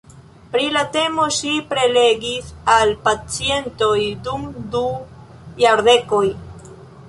Pri la temo ŝi prelegis al pacientoj dum du jardekoj.